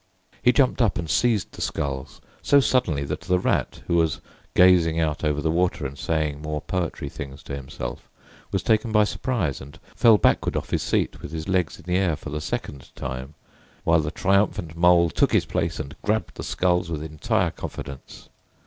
He jumped up and seized the sculls, so suddenly, that the Rat, who was gazing out over the water and saying more poetry things to himself, was taken by surprise and fell backwards off his seat with his legs in the air for the second time, while the triumphant Mole took his place and grabbed the sculls with entire confidence.